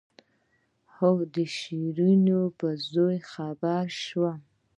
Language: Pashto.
ها د شيرينو په زوى خبره سوې.